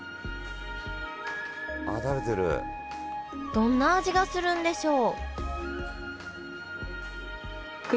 どんな味がするんでしょう？